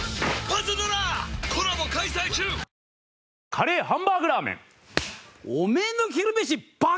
カレーハンバーグラーメン！